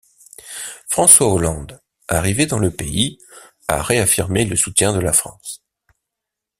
François Hollande, arrivé dans le pays, a réaffirmé le soutien de la France.